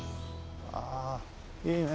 ああいいね。